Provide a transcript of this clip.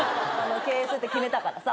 経営するって決めたからさ。